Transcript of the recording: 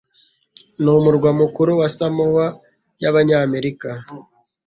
Ni umurwa mukuru wa Samoa y'Abanyamerika